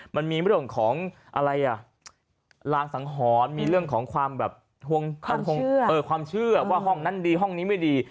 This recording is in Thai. มันมีเรื่องของลางสังหรณ์มีเรื่องของความเชื่อว่าห้องนั้นดีห้องนี้ไม่ดี